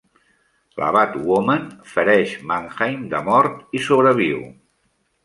La batwoman fereix Mannheim de mort i sobreviu.